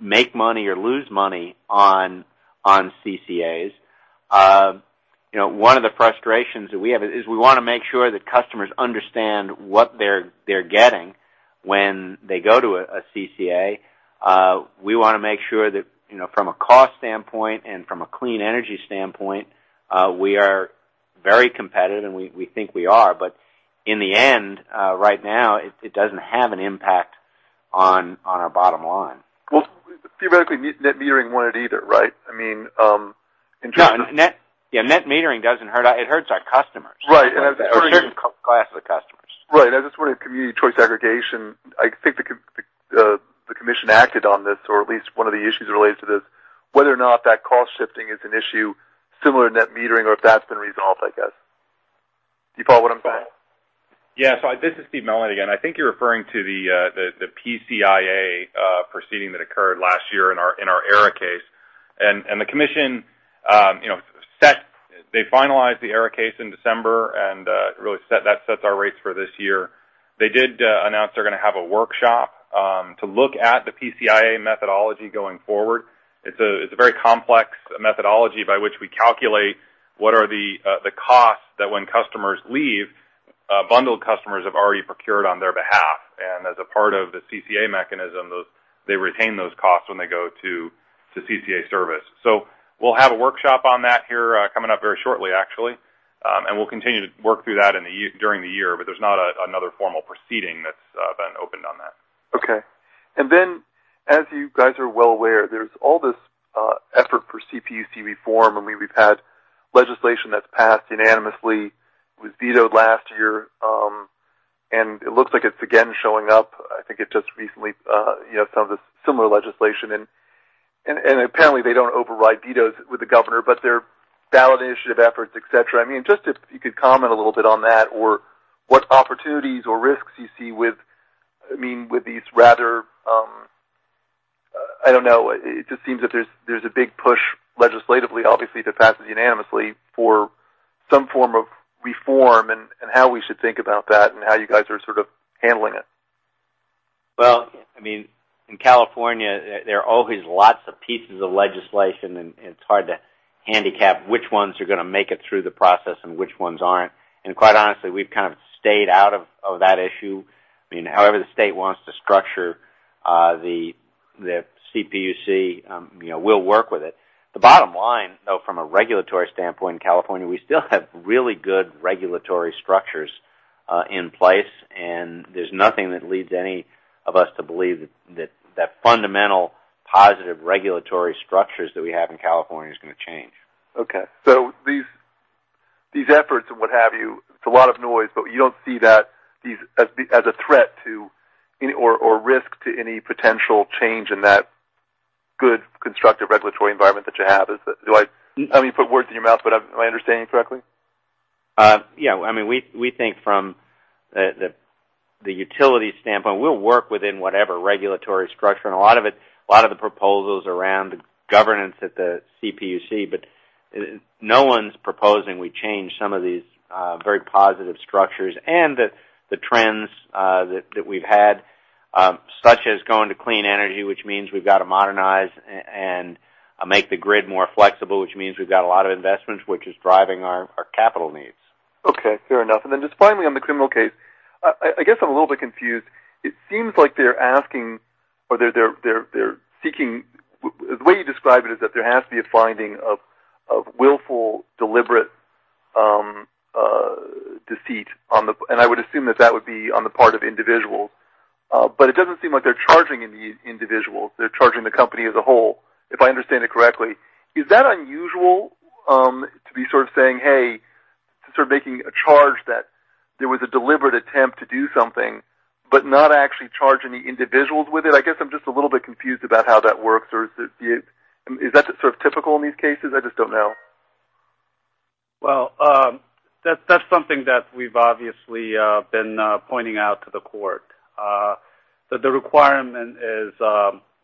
make money or lose money on CCAs. One of the frustrations that we have is we want to make sure that customers understand what they're getting when they go to a CCA. We want to make sure that from a cost standpoint and from a clean energy standpoint, we are very competitive, and we think we are. In the end, right now, it doesn't have an impact on our bottom line.
Well, theoretically, net metering wouldn't either, right?
No. Net metering doesn't hurt us. It hurts our customers.
Right.
A certain class of the customers.
Right. I just wondered, Community Choice Aggregation, I think the commission acted on this, or at least one of the issues related to this, whether or not that cost shifting is an issue similar to net metering or if that's been resolved, I guess. Do you follow what I'm saying?
Yeah. This is Steve Malnight again. I think you're referring to the PCIA proceeding that occurred last year in our ERRA case. The commission finalized the ERRA case in December and really that sets our rates for this year. They did announce they're going to have a workshop to look at the PCIA methodology going forward. It's a very complex methodology by which we calculate what are the costs that when customers leave, bundled customers have already procured on their behalf. As a part of the CCA mechanism, they retain those costs when they go to CCA service. We'll have a workshop on that here coming up very shortly, actually. We'll continue to work through that during the year, but there's not another formal proceeding that's been opened on that.
Okay. As you guys are well aware, there's all this effort for CPUC reform. We've had legislation that's passed unanimously. It was vetoed last year, and it looks like it's again showing up. I think it just recently found a similar legislation. Apparently they don't override vetoes with the governor, but they're ballot initiative efforts, et cetera. If you could comment a little bit on that or what opportunities or risks you see with these. I don't know. It just seems that there's a big push legislatively, obviously, that passes unanimously for some form of reform and how we should think about that and how you guys are sort of handling it.
Well, in California, there are always lots of pieces of legislation, and it's hard to handicap which ones are going to make it through the process and which ones aren't. Quite honestly, we've kind of stayed out of that issue. However the state wants to structure the CPUC, we'll work with it. The bottom line, though, from a regulatory standpoint in California, we still have really good regulatory structures in place, and there's nothing that leads any of us to believe that that fundamental positive regulatory structures that we have in California is going to change.
Okay. These efforts and what have you, it's a lot of noise. You don't see that as a threat to or risk to any potential change in that good constructive regulatory environment that you have. I don't mean to put words in your mouth, am I understanding correctly?
Yeah. We think from the utility standpoint, we'll work within whatever regulatory structure and a lot of the proposals around the governance at the CPUC, but no one's proposing we change some of these very positive structures and the trends that we've had such as going to clean energy, which means we've got to modernize and make the grid more flexible, which means we've got a lot of investments, which is driving our capital needs.
Okay. Fair enough. Then just finally on the criminal case, I guess I'm a little bit confused. It seems like they're asking or they're seeking the way you describe it is that there has to be a finding of willful, deliberate deceit, and I would assume that that would be on the part of individuals. But it doesn't seem like they're charging any individuals. They're charging the company as a whole, if I understand it correctly. Is that unusual to be sort of saying, hey, to start making a charge that there was a deliberate attempt to do something, but not actually charge any individuals with it? I guess I'm just a little bit confused about how that works. Is that sort of typical in these cases? I just don't know.
Well, that's something that we've obviously been pointing out to the court. That the requirement is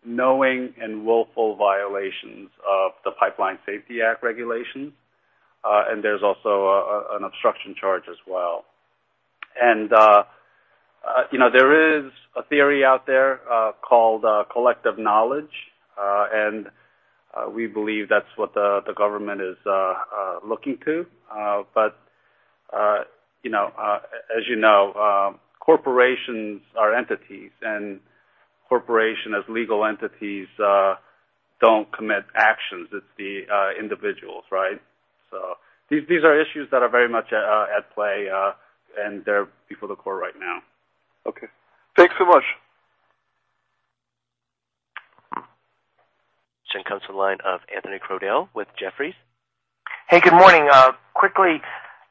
knowing and willful violations of the Pipeline Safety Act regulations. There's also an obstruction charge as well. There is a theory out there called collective knowledge. We believe that's what the government is looking to. As you know, corporations are entities, and corporation as legal entities don't commit actions. It's the individuals, right? These are issues that are very much at play, and they're before the court right now.
Okay. Thanks so much.
Next comes to the line of Anthony Crowdell with Jefferies.
Hey, good morning. Quickly,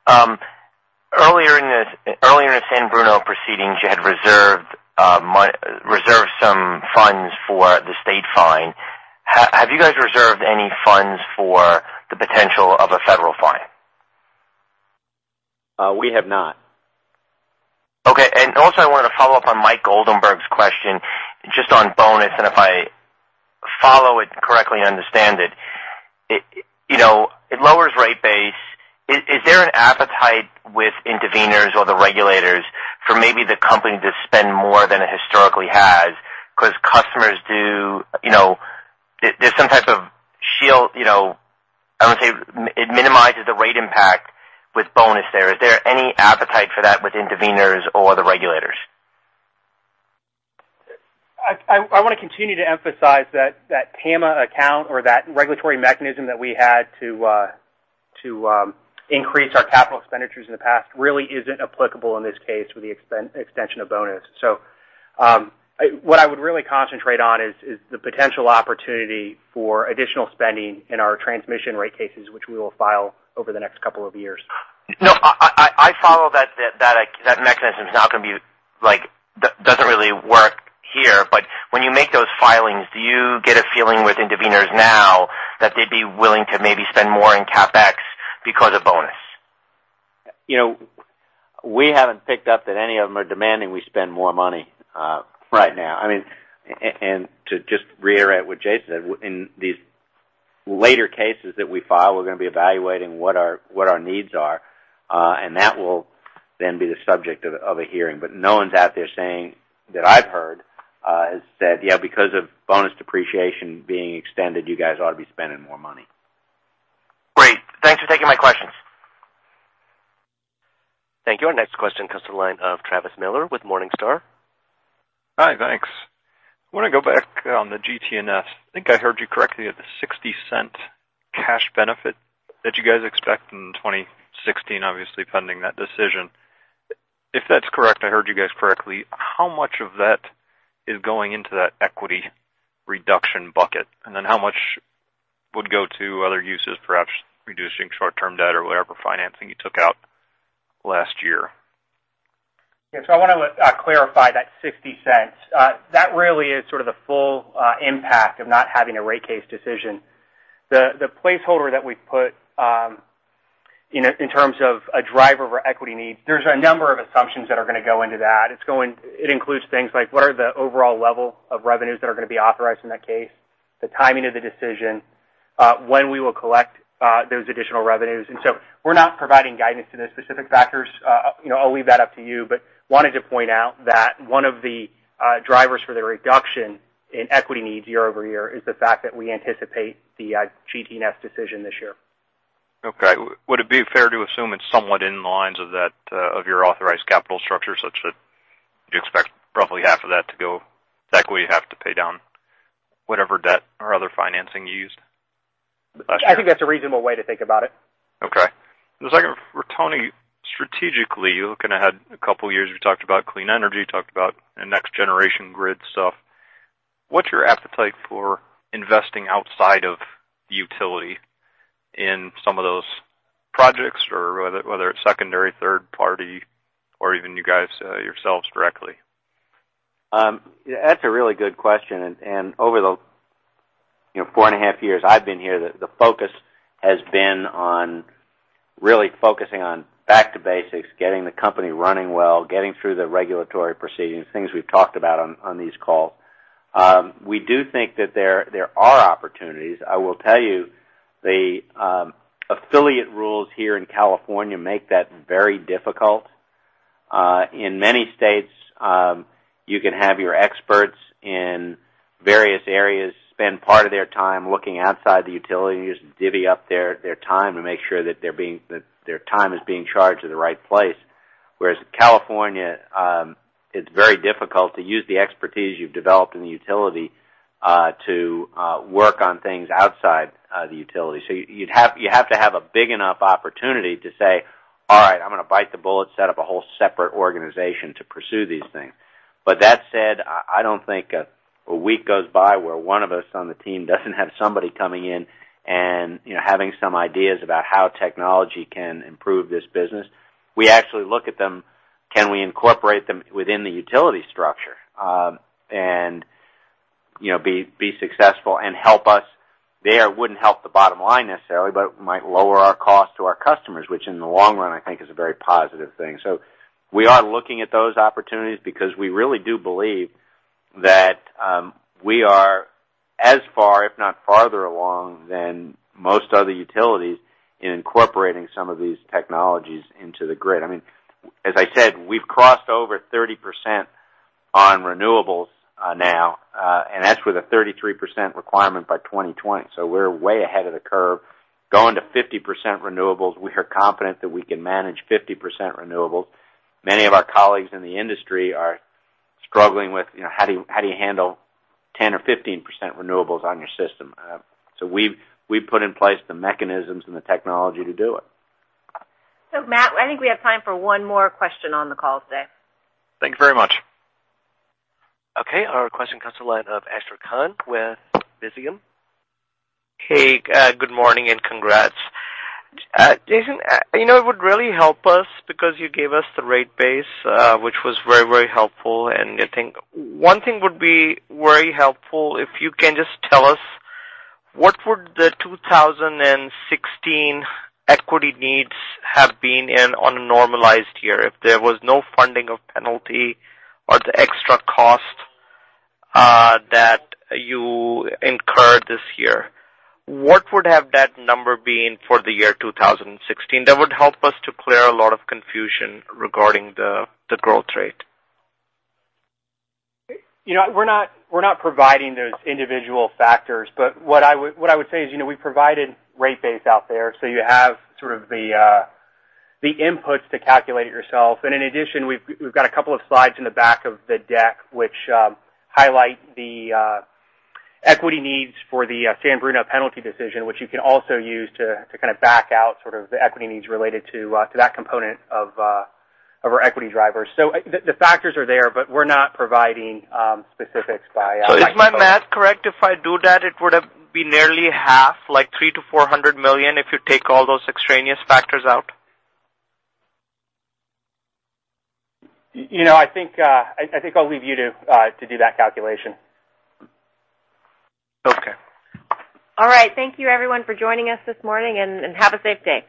earlier in the San Bruno proceedings, you had reserved some funds for the state fine. Have you guys reserved any funds for the potential of a federal fine?
We have not.
Okay. Also, I wanted to follow up on Michael Goldenberg's question, just on bonus, and if I follow it correctly and understand it. It lowers rate base. Is there an appetite with interveners or the regulators for maybe the company to spend more than it historically has? Because there's some type of shield, I want to say it minimizes the rate impact with bonus there. Is there any appetite for that with interveners or the regulators?
I want to continue to emphasize that PAMA account or that regulatory mechanism that we had to increase our capital expenditures in the past really isn't applicable in this case for the extension of bonus. What I would really concentrate on is the potential opportunity for additional spending in our transmission rate cases, which we will file over the next couple of years.
No, I follow that mechanism is not going to be. It doesn't really work here. When you make those filings, do you get a feeling with interveners now that they'd be willing to maybe spend more in CapEx because of bonus?
We haven't picked up that any of them are demanding we spend more money right now. To just reiterate what Jason said, in these later cases that we file, we're going to be evaluating what our needs are. That will then be the subject of a hearing. No one's out there saying, that I've heard, has said, "Yeah, because of bonus depreciation being extended, you guys ought to be spending more money.
Great. Thanks for taking my questions.
Thank you. Our next question comes to the line of Travis Miller with Morningstar.
Hi, thanks. I want to go back on the GT&S. I think I heard you correctly at the $0.60 cash benefit that you guys expect in 2016, obviously pending that decision. If that's correct, I heard you guys correctly, how much of that is going into that equity reduction bucket? How much would go to other uses, perhaps reducing short-term debt or whatever financing you took out last year?
Yeah. I want to clarify that $0.60. That really is sort of the full impact of not having a rate case decision. The placeholder that we put in terms of a driver for equity needs, there's a number of assumptions that are going to go into that. It includes things like what are the overall level of revenues that are going to be authorized in that case, the timing of the decision, when we will collect those additional revenues. We're not providing guidance to those specific factors. I'll leave that up to you, but wanted to point out that one of the drivers for the reduction in equity needs year-over-year is the fact that we anticipate the GT&S decision this year.
Okay. Would it be fair to assume it's somewhat in the lines of your authorized capital structure, such that you expect roughly half of that to go to equity, half to pay down whatever debt or other financing you used last year?
I think that's a reasonable way to think about it.
Okay. The second for Tony, strategically, you're looking ahead a couple of years. You talked about clean energy, talked about next generation grid stuff. What's your appetite for investing outside of the utility? In some of those projects or whether it's secondary, third party, or even you guys yourselves directly?
That's a really good question. Over the four and a half years I've been here, the focus has been on really focusing on back to basics, getting the company running well, getting through the regulatory proceedings, things we've talked about on these calls. We do think that there are opportunities. I will tell you, the affiliate rules here in California make that very difficult. In many states, you can have your experts in various areas spend part of their time looking outside the utilities and divvy up their time to make sure that their time is being charged to the right place. Whereas in California, it's very difficult to use the expertise you've developed in the utility to work on things outside the utility. You have to have a big enough opportunity to say, "All right, I'm going to bite the bullet, set up a whole separate organization to pursue these things." That said, I don't think a week goes by where one of us on the team doesn't have somebody coming in and having some ideas about how technology can improve this business. We actually look at them. Can we incorporate them within the utility structure, and be successful and help us there? Wouldn't help the bottom line necessarily, but might lower our cost to our customers, which in the long run, I think is a very positive thing. We are looking at those opportunities because we really do believe that we are as far, if not farther along, than most other utilities in incorporating some of these technologies into the grid. As I said, we've crossed over 30% on renewables now. That's with a 33% requirement by 2020. We're way ahead of the curve. Going to 50% renewables, we are confident that we can manage 50% renewables. Many of our colleagues in the industry are struggling with how do you handle 10% or 15% renewables on your system? We've put in place the mechanisms and the technology to do it.
Matt, I think we have time for one more question on the call today.
Thanks very much.
Our question comes to the line of Ashar Khan with Visium.
Hey, good morning, and congrats. Jason, it would really help us because you gave us the rate base, which was very helpful. I think one thing would be very helpful if you can just tell us what would the 2016 equity needs have been in on a normalized year if there was no funding of penalty or the extra cost that you incurred this year? What would have that number been for the year 2016? That would help us to clear a lot of confusion regarding the growth rate.
We're not providing those individual factors. What I would say is we provided rate base out there, so you have sort of the inputs to calculate it yourself. In addition, we've got a couple of slides in the back of the deck which highlight the equity needs for the San Bruno penalty decision, which you can also use to kind of back out sort of the equity needs related to that component of our equity drivers. The factors are there, but we're not providing specifics by-
Is my math correct? If I do that, it would have been nearly half, like $300 million-$400 million if you take all those extraneous factors out?
I think I'll leave you to do that calculation.
Okay.
All right. Thank you everyone for joining us this morning, and have a safe day.